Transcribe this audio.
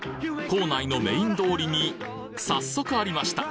構内のメイン通りに早速ありました。